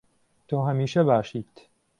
تۆ هەمیشە باشیت.